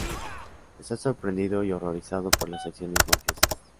Está sorprendido y horrorizado por las acciones mafiosas.